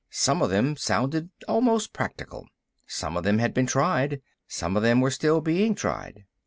Some of them sounded almost practical. Some of them had been tried; some of them were still being tried.